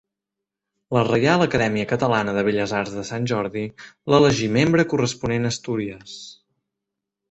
La Reial Acadèmia Catalana de Belles Arts de Sant Jordi l'elegí membre corresponent a Astúries.